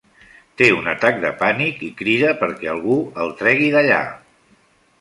Té un atac de pànic i crida perquè algú el tregui d'allà.